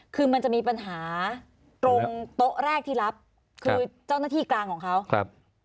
คือมันจะมีปัญหาตรงโต๊ะแรกที่รับคือเจ้าหน้าที่กลางของเขาครับ